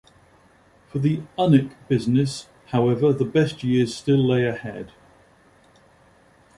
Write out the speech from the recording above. For the Unic business, however, the best years still lay ahead.